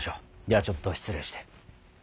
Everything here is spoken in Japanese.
ではちょっと失礼して。